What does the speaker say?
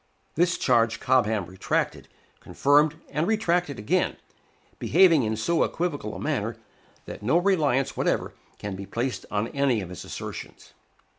This charge Cobham retracted, confirmed, and retracted again, behaving in so equivocal a manner, that no reliance whatever can be placed on any of his assertions.